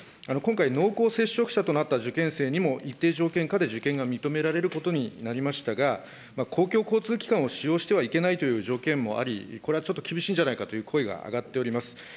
今回、濃厚接触者となった受験生にも、一定条件下で受験が認められることになりましたが、公共交通機関を使用してはいけないという条件もあり、これはちょっと厳しいんじゃないかという声が上がっております。